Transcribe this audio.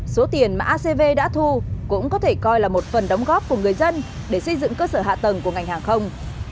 số tiền mà acv đã thu cũng có thể coi là một phần đóng góp của người dân để xây dựng cơ sở hạ tầng của ngành hàng không